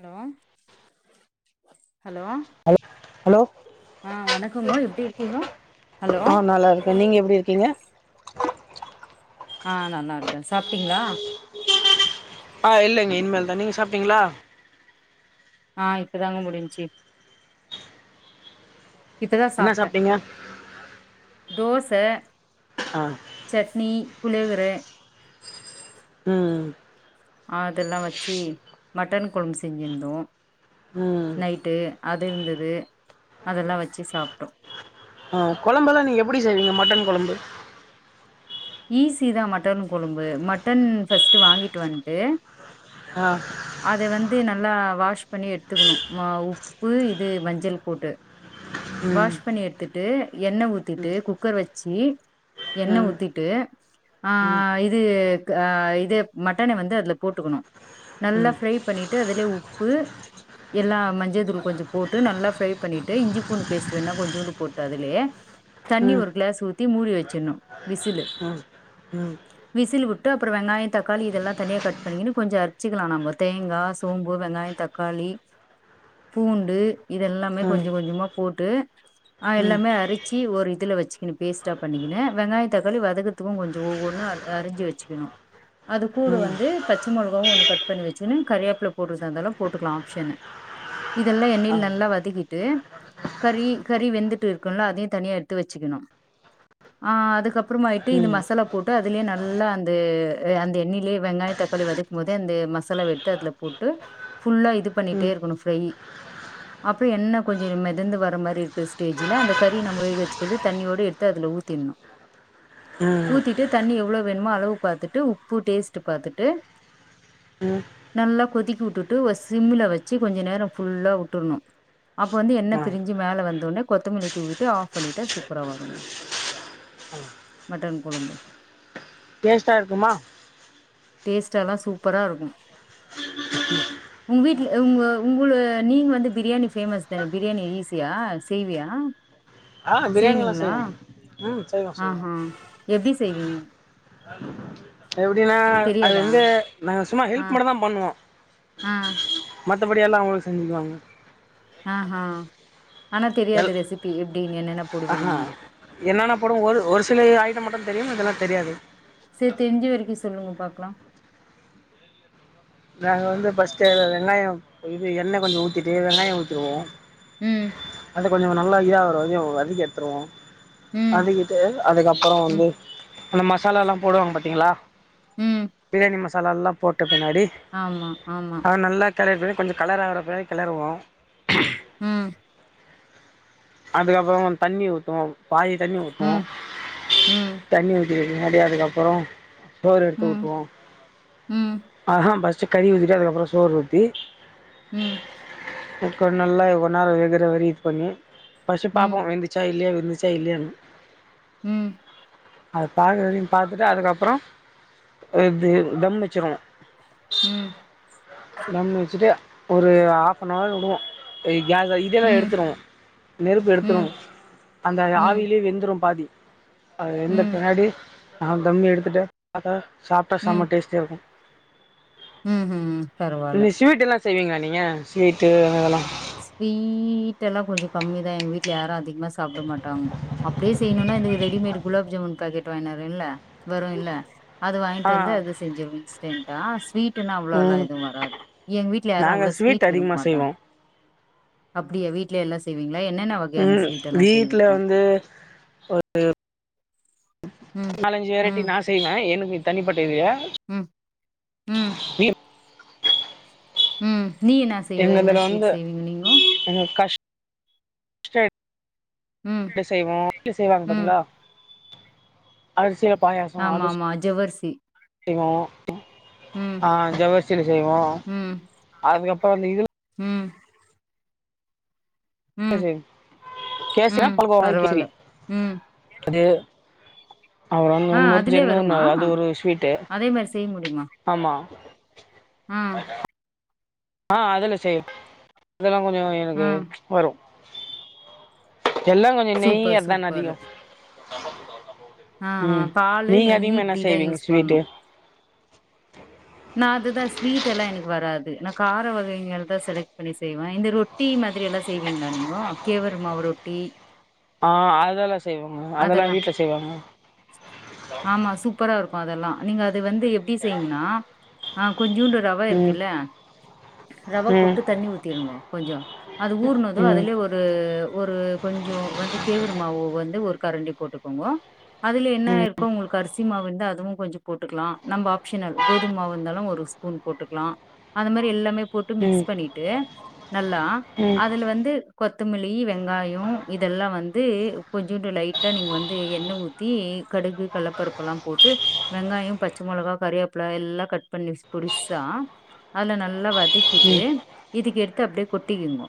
hello hello hello hello ஆ வணக்கங்கோ எப்டி இருக்கீங்கோ ஹலோ இப்ப நீங்க எப்டி இர்கீங்க ஆ நன்னா இருக்கே சாப்டீங்களா ஆ இல்லேங்க இனிமேல் தான் நீங்க சாப்டிங்ளா ஆ இப்ப தாங்க முடிஞ்ச்சி இப்பதான் என்ன சாப்டேன் சாப்ட்டீங்க தோச ஆ சட்னி புளியோகரெ ம் அதெல்லாம் வெச்சு மட்டன் குழபு செஞ்சிருந்தோம் ம் நைட்டு அது இருந்தது அதெல்லாம் வெச்சு சாப்பிட்டோம் ஆ குழம்பெல்லாம் நீங்க எப்டி செய்வீங்க மட்டன் குழம்பு ஈஸி தான் மட்டன் கொழும்பு மட்டன் ஃபர்ஸ்ட் வாங்கிட்டு வந்துட்டு ஆ அத வந்து நல்லா வாஷ் பண்ணி எடுத்துக்கணும் உப்பு இது மஞ்சள் போட்டு ம் வாஷ் பண்ணி எடுத்துட்டு எண்ணெய் ஊத்திட்டு ம் குக்கர் வெச்சு எண்ணெய் ம் ஊத்தி ட்டு ஆ ம் இது இது மட்டனை வந்து அதுல போட்டுக்கணும் ம் நல்லா ப்ரை பண்ணிட்டு அதுலயே உப்பு எல்லாம் மஞ்ச தூள் கொஞ்சம் போட்டு நல்லா ஃப்ரை பண்ணிட்டு இஞ்சி பேஸ்ட் வேணா கொஞ்சம் கூட போட்டு அதுலயே ம் தண்ணி ம் ஒரு கிளாஸ் ஊத்தி மூடி வெச்சர்ணும் விசில் ம் ம் விசில் விட்டு அப்பறம் வெங்காயம் தக்காளி இதெல்லாம் தனியாக கட் பண்ணிக்கன்னனு கொஞ்ச அரிச்சிக்கல நம்ப தேங்காய் சோம்பு வெங்காயம் தக்காளி பூண்டு இதெல்லாமே ம் கொஞ்சம் கொஞ்சமா போட்டு ஹ ம் எல்லாமே அரிச்சி ஒரு இதுல வெச்சுக்கின் பேஸ்ட்டா பண்ணிக்கனு வெங்காயம் தக்காளி வ பதகத்துக்கும் கொஞ்சம் ஒவ்வொருன்னும் அரிஞ்சு வெச்சுக்கணும் அது கூட ம் வந்து பச்ச மிளகாவும் ஒன்று கட் பண்ணி வெச்சுன்னு கரியாப்பல போட்டுறதுதா இருந்தாலும் போட்டுக்கலாம் ஆப்ஷன்ன இதெல்லாம் ஆ எண்ணில்ல நல்லா வதக்கிட்டு கறி கறி வெந்துட்டு இருக்குல அதையும் தனியா எடுத்து வெச்சுக்கணும் ஆ அதுக்கப்புறமா தி‌ இந்த ம் மசாலா போட்டு அதுலயே நல்லா அந்த அந்த எண்ணிலயே வெங்காயம் தக்காளி வதக்கும் போதே அந்த மசாலாவ எடுத்து அதுல போட்டு ஃபுல்லா இது ம் ம் பண்ணிட்டே இருக்கணும் ஃப்ரை அப்பறம் எண்ணெ கொஞ்சம் மெதந்து வர மாரி இருக்கிற ஸ்டேஜ்ல அந்த கறி நம்ம உயோி வெச்சக்கது தண்ணியோடுத்து தா அதுல ஊத்திர்னு ஊத்திட்டு தண்ணி எவ்வளவு வேணுமோ அளவு பாத்துட்டு உப்பு டேஸ்ட் பாத்துட்டு ம் நல்லா கொதிக்கி வுட்டுட்டு ஒரு சிம்ல வெச்சு கொஞ்ச நேரம் ஃபுல்லா வுட்டுடணும் அப்ப வந்து என்ன ஆ பிரிஞ்சு மேல வந்தோடனே கொத்தமல்லி தூவிட்டு ஆஃப் பண்ணிட்டா சூப்பரா வரும் மட்டன் குழும்பு டேஸ்ட்டா இருக்குமா டேஸ்ட் எல்லாம் சூப்பரா இருக்கும் உங்க வீட்ல உங்க உங்க நீங்க வந்து பிரியாணி ஃபேமஸ் தானே பிரியாணி ஈஸியா செய்வியா ஆ பிரியாணியல்லா செய்வோ ம் செய்வோ ஆ செய்வோ ஹ எப்டி செய்வீங்க [inaudible] அது எப்டினா அது தெரியாதா வந்து நாங்க சும்மா ஆ ஹெல்ப் மட்டுந்தா பண்ணுவோ ஆ மத்தபடியெல்ல அவங்களுக்கு செஞ்சுக்குவாங்க ஆ ஹ ஆனா எல் தெரியாது ரெசிபி எப்டி என்னென்ன ஆஹா போடுவீங்கன்னு என்னென்ன போடும் ஒரு ஒரு சில ஐட்டம் மட்டு தெரியு இதெல்லா தெரியாது சரி தெரிஞ்சி வரைக்கு சொல்லுங்க பாக்கலா நாங்க வந்து பர்ஸ்ட் வெங்காயம் இது எண்ணெய் கொஞ்சம் ஊத்திட்டு வெங்காயம் ஊத்துடுவோ ம் அது கொஞ்ச நல்லா இதா ஆவுர வரையும் வதக்கி எடுத்துருவோ ம் அதுகிட்டு அதுக்கப்ரோ ம் வந்து அந்த மசாலால்லா போடுவாங்க பாத்தீங்களா ம் பிரியாணி மசாலால்லா போட்ட பின்னாடி ஆமா ஆமா அத நல்லா [unintelligible] கொஞ்ச கலர் ஆகுற வர கேளறுவோ ம் அதுக்கப்ரோ தண்ணி ஊத்துவோ பாதி தண்ணி ஊத்துவோ ம் ம் தண்ணி ஊத்திட பின்னாடி அப்பறம் சோறு எடுத்து ம் ஊத்துவோ ம் ஆ ஹ பர்ஸ்ட் கறி ஊத்திட்டு அதுக்கப்பறம் சோறு ஊத்தி ம் கோ நல்லா கோநேரோ வெகுற வர இது பண்ணி பஸ்டு பாப்போ ம் வென்ந்துச்சா இல்லய வெந்துச்சா இல்லயனு ம் அது பாக்குறவரையு பாத்துட்டு அதுக்கப்புறோ இது தம் வச்சிருவோ ம் தம் வச்சுட்டு ஒரு ஹாஃப் அன் னவர் வுடுவோ கேஸ் இதெல்லா ம் எடுத்துருவோ நெருப்பு எடுத்துருவோ ம் அந்த ஆவியிலே வெந்துரு பாதி அது வெந்த ம் பின்னாடி ஆ தம் எடுத்துட்டு பாத்தா சாப்ட்டா செம டேஸ்டியா இருக்கு ம் ம் நீ ஸ்வீடெல்லா செய்வீங்களா நீங்க ஸ்வீட்டு அது இதெல்லா ஸ்வீட் எல்லா கொஞ்சோ கம்மிதா எங்க வீட்ல யாரு அதிகமா சாப்ட மாட்டாங்க அப்டியே செய்யணும்னா இந்த ரெடிமேட் குலாப் ஜாமுன் பாக்கெட் வாங்கினுவரேல்ல வரு இல்ல அது ஆ வாங்கிட்டு வந்து அது செஞ்சுருவே இன்ஸ்டன்ட்டா ஸ்வீட் டுன்னா அவ்ளோலா ம் எதுவு வராது எங்க வீட்ல யாரு நாங்க அவ்ளோ ஸ்வீட் விரும்ப அதிகமா மாட்டாங்க செய்வோ அப்டியா வீட்லயே எல்லா செய்வீங்களா என்னன்ன வகையான ம் ஸ்வீட் எல்லா செய்வீங்க ஒரு ம் நாலஞ்சு வெரைட்டி ம் நா செய்வே எனக்கு தனிப்பட்ட இது ம் ம் ம் நீ என்ன செய்வே என்ன ஸ்வீட் செய்வீங்க நீங்கோ உங்க கஷ் ம் [unintelligible] செய்வோ [unintelligible] செய்வாங்க ம் பாத்தீங்களா அரிசில பாயாசோ ஆமா அது ஆமா ஜவ்வரிசி செய்வோ ம் ஆ ஜவ்வரிசில செய்வோ ம் அதுக்கப்பறோ இந்த இதுல ம் ம் கேசி கேசின ம் பல்கோவா மாரி பரவால்ல ம் அது அவப்புறம் ஆ அதுலே முறுஜின்னு வருமா அது ஒரு ஸ்வீட்டு அதே மாரி ஆமா ம் ஆ அதுல செய்யு அதெல்லா கொஞ்சு ஆ எனக்கு வரு எல்லாங்கொஞ்ச நெய் சூப்பர் அதான சூப்பர் அதிகோ ஆ ஆ ம் பாலு நீங்க நெய்யி அதிகமா என்ன இப்டிதா செய்வீங்க யூஸ் பண்ணு ஸ்வீட்டு நா அதுதா ஸ்வீட் எல்லா எனக்கு வராது நா கார வகைகள் தா செலக்ட் பண்ணி செய்வே இந்த ரொ ட்டி மாதிரில்லா செய்வீங்களா நீங்கோ கேவுரு மாவு ரொட்டி ஆ அதெல்லா செய்வாங்க அதெல்லா வீட்ல செய்வாங்க ஆமா சூப்பரா இருக்கு அதெல்லா நீங்க அத வந்து எப்டி செயிங்கனா ஆ கொஞ்சூன்டு ரவ ம் இருக்கில்ல ரவ ம் போட்டுட தண்ணி ஊத்திருங்க கொஞ்சு அது ஊர்னது ம் அதுலேயே ஒரு து உ ஒரு கொஞ்சோ வந்து கேவுரு மாவு வந்து ஒரு கரண்டி போட்டுக்கோங்கோ அதுலே என்ன ம் ம் இருக்கு உங்களுக்கு அரிசி சி மாவு இருந்தா அதுவு கொஞ்சோ போட்டுக்கலா நம்ப ஆப்ஷன் அது கோதும்மாவு இருந்தாலு ஒரு ஸ்பூன் போட்டுக்கலா அந்த மாரி எல்லாமே போட்டு ம் மிக்ஸ் பண்ணிட்டு நல்லா ம் அதுல வந்து கொத்தமல்லி வெங்காயோ இதெல்லா வந்து கொஞ்சூன்டு லைட்டா நீங்க வந்து எண்ண ஊ த்தி கடுகு கள்ளப்பருப்பெல்லா போட்டு வெங்காயோ பச்ச மொளகா கறிவேப்ள எல்லா கட் பண்ணி ஸ் பொடீஸா அதுல நல்லா வதக் கிட்டு ம் இதுக்கு எடுத்து அப்டியே கொட்டிக்கிங்கோ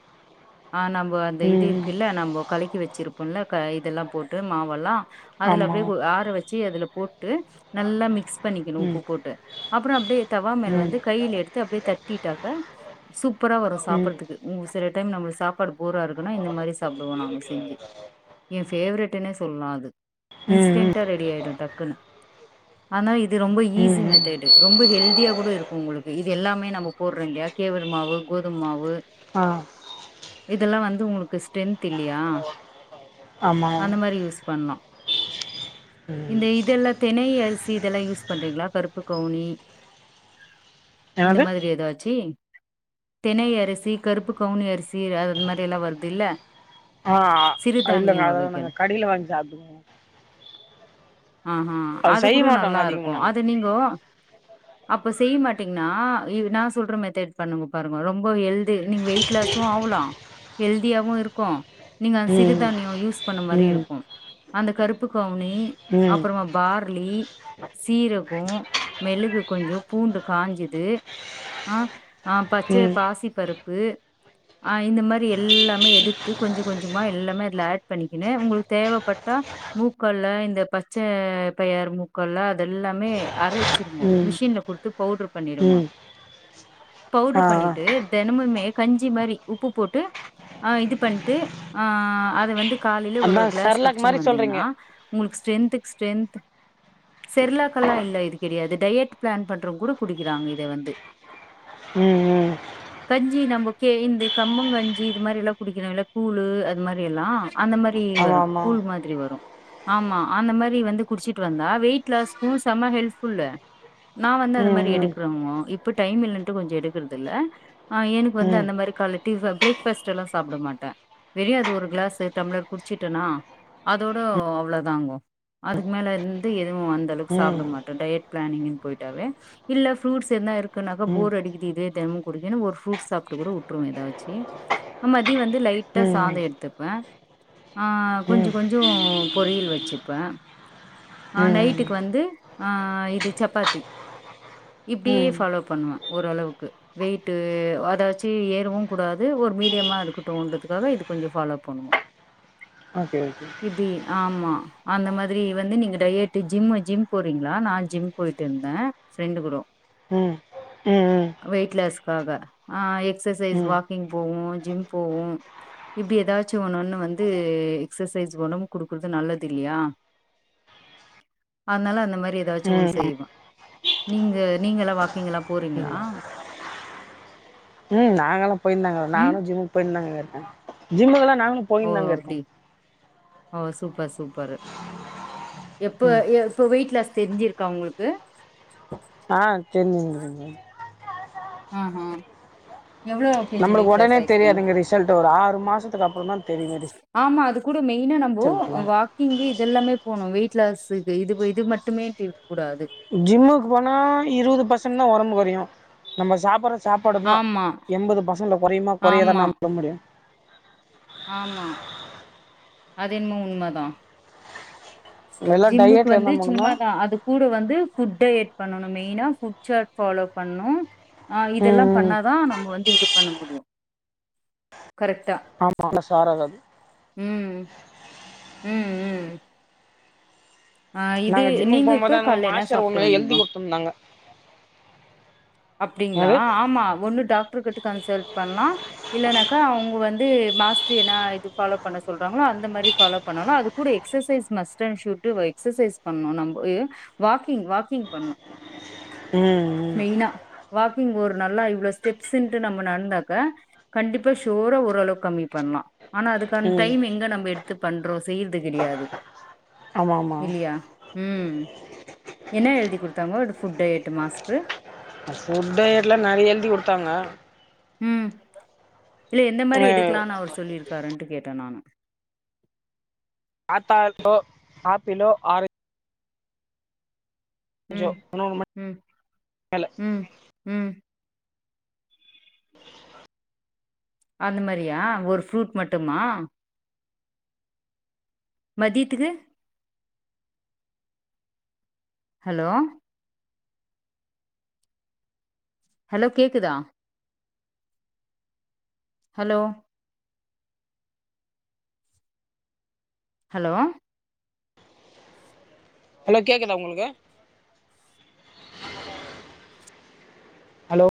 ஆ நம்ம அந்த இது ம் இருக்கில்ல நம்ம கலக்கி வெச்சிருப்போல்ல க இதெல்லா போட்டு மாவெல்லா அதுல ஆமா அப்டியே கொ ஆற வச்சு அதுல போட்டு நல்லா மிக்ஸ் பண்ணிக்கணு ம் உப்பு போட்டு அப்புறோ அப்டியே தவா மேல ம் ம் வந்து கையில எடுத்து அப்டியே தட்டிட்டாக்க சூப்பரா வரு சாப்பிட்றதுக்கு உங்களு சில டைம் நம்ளுக்கு சாப்பாடு போரா இருக்குன்னா இந்த மாரி சாப்டுவோ நாங்க செஞ்சு எ ஃபேவரெட்டுனே சொல்லலா அது ம் ம் இன்ஸ்டன்டா ரெடி ஆயிடு டக்குனு ஆனா இது ரொம்ப ம் ஈஸி மெத் ம் த்தெடு ரொம்ப ஹெல்தியா கூட இருக்கு உங்களுக்கு இது எல்லாமே நம்ம போடுறோ இல்லயா கேவுரு மாவு கோதும மாவு ஆ இதெல்லா வந்து உங்ளுக்கு ஸ்டென்த் இல்லியா ஆமா அந்த மாரி யூஸ் பண்லா ம் இந்த இதெல்லா தெனை அரிசி இதெல்லா யூஸ் பண்றீங்ளா கருப்பு கௌனி இந்த என்னது மாரி எதாச்சி தினை அரிசி கருப்பு கௌனி அரிசி அத மாரி எல்லா வருதுல்ல ஆ இல்லங்க அதெல்லா வகைகள் நாங்க கடையில வாங்கி சாப்டுகுவோ ஆ ஆ அது செய்ய கூடு மாட்டோங்க நல்லா அதிகமா இருக்கு நாங்க அது நீங்கோ அப்ப செய்யமாட்டீங்னா இ நா சொல்ற மெத்தட் பண்ணுங்கோ பாருங்கோ ரொம்ப ஹெல் தி நீங்க வெயிட் லாஸு ஆகலா ஹெல்தியாவு இருக்கு நீங்க அந்த ம் சிறுதானியோ யூஸ் பண்ண மாரியு ம் இருக்கு அந்த கருப்பு கௌனி ம் அப்றோ பார்லி சீரகோ மெழுகு கொஞ்சோ பூண்டு காஞ்ச து ஆ ஆ பச்ச ம் பாசி பருப்பு ஆ இந்த மாரி எல்லாமே எடுத்து கொஞ்சோ கொஞ்சோமா எல்லாமே அதுல அட் பண்ணிக்கிணு உங்களுக் தெ ட்டா மூக்கள்ல இந்த பச்ச பயர் மூக் கல்ல அதெல்லாமே அரைச்சிருவோ ம் மிஷின்ல குடுத்து பவுடர் பண்ணிடுவோ ம் ஆ பவுடர் பண்ணிட்டு தெனமுமே கஞ்சி மாரி உப்பு போட்டு ஆ இது பண்ணிட்டு ஆ அது வந்து காலிலே ஒரு அதா ஒரு கிளஸ் செர்லாக் மாரி சொல்றீங்க உங்குளுக்கு ஸ்ரெந்த்துக்கு ஸ்ரெந்த் செர்லாக்கெல்லா இல்ல இது கெடேயாது டயட் பிளான் பண்றவங் கூட குடிக்கிறாங்க இத வந்து ம் ம் கஞ்சி நமக்கே இந்த கம்பங்கஞ்சி இது மாரிலா குடிக்கிறாங்கல கூழு அது மாரில்லா அந்த மாரி ஆமா வரு ஆமா கூழ் மாதிரி வரு ஆமா அந்த மாரி வந்து குடிச்சிட்டு வந்தா வெயிட் லாஸ்கு செம ஹெல்ஃப்புல்லு நா வந்து அத ம் மாரி ம் எடுக்றோமோ இப்ப டைம் இல்லண்ட்டு கொஞ்சோ எடுக்றதில்ல ஆ எனக்கு ம் வந்து ம் அந்த மாரி காலே டிபன் பிரேக்ஃபஸ்ட் எல்லா சாப்ட மாட்டே பெரிய அது ஒரு கிளாஸ் டம்ளர் குடிச்சிட்டேனா அதோட அவ்ளோ தாங்கோ அதுக் மேல வந்து எதுவு அந்த அளவுக் சாப்ட மாட்டே ம் டயட் பிளானிங்னு போய்ட்டாவே இல்ல புரூட்ஸ் எத்னா இருக்குனாக போர் அடிக்குது இதுவே தெனமு புடிக்கனா ஒருபுரூட் சாப்டு கூட வுட்ருவே ஏதாச்சி நா மதியோ வந்து லைட்டா ம் சாதோ எடுத்துப் பே ஆ கொஞ்சோ ம் கொஞ்சோ பொரியல் வெச்சிப்பே அ ம் நைட்டுக்கு வந்து ஆ இது சப்பாத்தி இப்டியே ம் ஃபாலோ பண்வ ஓரளவுக்கு வெயிட்டு அதாச்சு ஏறவு கூடாது ஒரு மீடியமா இருக்கட்டுன்றதுக்காக இது கொஞ்ச ஃபாலோ பண்வோ ஓகே ஓகே இப்டி ஆமா அந்த மாதிரி வந்து நீங்க டயட் ஜிம் ஜிம் போறீங்ளா நா ஜிம் போய்ட்டுருந்தே ஃபிரெண்டு குடு ம் ம்ம் வெயிட் லாஸ்காக ஆ எக்ஸசைஸ் ம் வாக்கிங் போவோ ஜிம் போவோ இப்டி எதாச்சி ஒன்னுஒன்னு வந்து எக்ஸஸைஸ் ஒடம்புக் குடுக்றது நல்லதில்லியா ஏதாச்சு ஒண்ணு ம் செய்வா நீங்க நீங்கலா வாக்கீங் எல்லா போறீங்களா ம் நாங்கல்லா போயிருந்தாங்க ம் நானு ஜிம்முக்கு போயிருந்தாங்க இருக்கே ஜிம்முக்கெல்லா நாங்களு ஓ போயிருந்தாங்க அப்டி இருக்கோ ஓ சூப்பர் சூப்பரு எப்ப ம் இப்ப வெயிட் லாஸ் தெரிஞ்சிருக்கா உங்ளுக்கு ஆ தெரிஞ்சிது தெரிஞ்சிது ம் ம் எவ்ளோ கேஜி நம்மளுக் வெயிட் லாஸ் ஒடனே ஆயிருக்கீங்க தெரியாதுங்க ரிசல்டு ஒரு ஆறு மாசத்க்கு அப்றோந்தா தெரியு ரிச ஆமா அது கூட மெய்னா நம்மோ வா க்கிங் இதெல்லாமே போனு வெயிட்லாஸுக்கு இது இது மட்டுமேட்டிருக் கூடாது ஜிம்முக்கு போனா இருபது பெர்சன்ட் தா ஒடம்பு கொறையு நம்ம சாப்பற சாப்பாடுதா ஆமா எம்பது பசண்டு கொறையுமா கொறையாதா ஆமா நாம் [unintelligible] முடியு ஆமா அது என்மோ உண்மதா எல்லா ஜிம்முக்கு டயட்ல வந்து இருந்தா மட்டுந்தா சும்மாதா அதுக் கூட வந்து ஃபுட் டயட் பண்ணனு மெயினா ஃபுட்ச்சாட் ஃபாலோ பண்ணு அ இதெல்லா ம் பண்ணாதா நம்ம வந்து இது பண்ண முடியு கரெக்டா ஆமா [unintelligible] ம் ம் ம் ஆ இது நாங்க ஜிம்முக்கு நீங்க இப்ப போம்போதாங்க கால்ல என்ன மாஸ்டர் சாப்ட்டு ஒன்னு எழுதி வந்தீங்கோ குடுத்துருந்தாங்க அப்டிங்ளா என்னது ஆமா ஒண்ணு டாக்ட்ருகிட்டு கன்சல்ட் பண்லா இல்லனாக்கா அவுங்க வந்து மாஸ்டர் எனா இது ஃபாலோ பண்ண சொல்றாங்களோ அந்த மாரி ஃபாலோ பண்ணாலு அது கூட எக்சசைஸ் மஸ்ட்டு ஐம்ஷுட் எக்ஸசைஸ் பண்ணு நம்போ வாக்கிங் வாக்கிங் பண்ணு ம் ம் மெயினா வாக்கிங் ஒர் நல்லா இவ்ள ஸ்டெப்ஸ்ன்ட்டு நம்ம நடந்தாக்க கண்டிப்பா ஜோர ஓரளவு கம்மி பண்லா ஆனா அதுக்கான ம் டைம் எங்க நம்ப எடுத்து பண்றோ செய்றது கெடையாது ஆமா ஆமா இல்லியா ம் என்ன எழுதி குடுத்தாங்கோ டு ஃபுட்டைட்டம் மாஸ்ட்ரு ஃபுட்டைட்லா நெறைய எழுதி குடுத்தாங்க ம் இல்ல எந்த மேரி எடுக்கலான் அவரு சொல்லிருக்காருன்ட்டு கேட்ட நானு ஆத்தால்தோ ஆப்பிலோ ஆரஞ் ம் ம் மேல ம் ம் அந்த மரியா ஒரு ஃப்ரூட் மட்டுமா மதியத்துக்கு ஹலோ ஹலோ கேக்குதா ஹலோ ஹலோ ஹலோ கேக்குதா ஒங்குளுக்கு ஹலோ